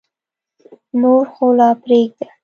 نور خو لا پرېږده.